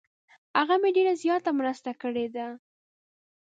هغه مې ډیر زیاته مرسته کړې ده.